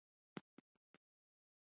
څلور شله پنځۀ شله شټږ شله اووه شله